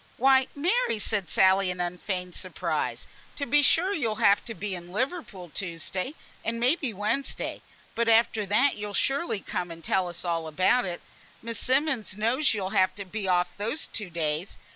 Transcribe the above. "Why, Mary!" said Sally, in unfeigned surprise. "To be sure you'll have to be in Liverpool, Tuesday, and may be Wednesday; but after that you'll surely come, and tell us all about it. Miss Simmonds knows you'll have to be off those two days.